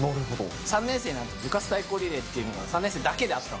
３年生になると、部活対抗リレーっていうのが、３年生だけであっ